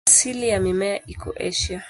Asili ya mimea iko Asia.